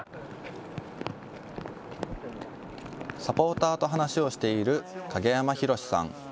サポーターと話をしている影山洋さん。